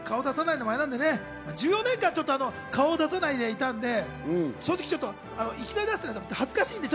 顔を出さないのもアレなんでね、１４年間顔出さないでいたんでね、正直、ちょっといきなり出したら恥ずかしいんで。